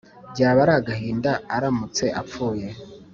Byaba ari agahinda aramutse apfuye